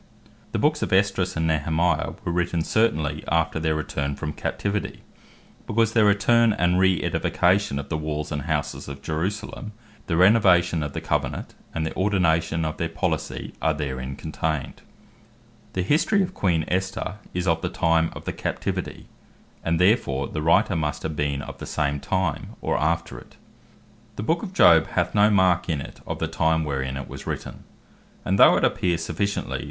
Ezra And Nehemiah The Books of Esdras and Nehemiah were written certainly after their return from captivity; because their return, the re edification of the walls and houses of Jerusalem, the renovation of the Covenant, and ordination of their policy are therein contained. Esther The History of Queen Esther is of the time of the Captivity; and therefore the Writer must have been of the same time, or after it. Job The Book of Job hath no mark in it of the time wherein it was written: and though it appear sufficiently (Exekiel 14.14, and James 5.11.)